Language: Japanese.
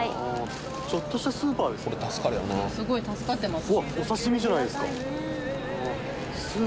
すごい助かってます。